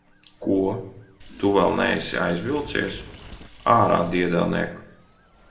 Ko? Tu vēl neesi aizvilcies? Ārā, diedelniek!